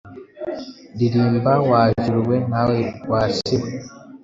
Ririmba wa juru we nawe wa si we,